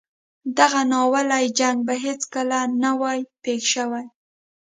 دغه ناولی جنګ به هیڅکله نه وای پېښ شوی.